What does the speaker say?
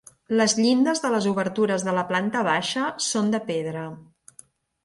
Les llindes de les obertures de la planta baixa són de pedra.